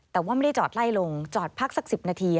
แต่ว่าไม่ได้จอดไล่ลงจอดพักสัก๑๐นาที